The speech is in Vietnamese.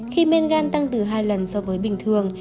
khi men gan tăng từ hai lần so với bình thường